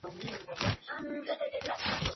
Los amigos de Boog llegan al circo.